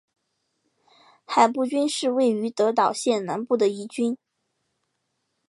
海部郡是位于德岛县南部的一郡。